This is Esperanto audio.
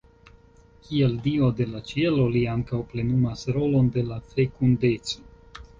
Kiel dio de la ĉielo li ankaŭ plenumas rolon de la fekundeco.